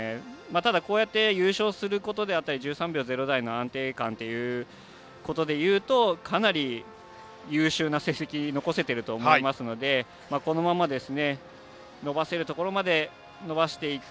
ただ、こうやって優勝することであったり１３秒０台の安定感っていうことでいうとかなり優秀な成績残せてると思いますのでこのまま伸ばせるところまで伸ばしていく。